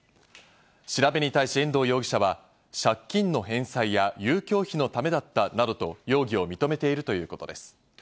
調べに対し遠藤容疑者は借金の返済や遊興費のためだったなどと容疑を認めているということです。